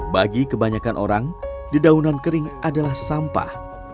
bagi kebanyakan orang di daunan kering adalah sampah